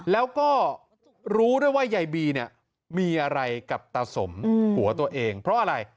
แล้วก็รู้ด้วยว่ายายบีเนี่ยมีอะไรกับตาสมผัวตัวเองเพราะอะไร